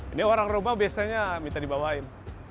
ini orang roba biasanya minta dibawain